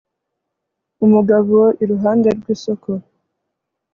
Umugabo iruhande rwisoko